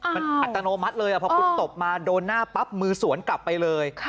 มันอัตโนมัติเลยพอคุณตบมาโดนหน้าปั๊บมือสวนกลับไปเลย